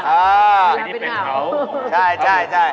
อ่าใช่อันนี้เป็นเหล่า